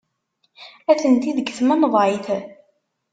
Atenti deg tmenḍayt.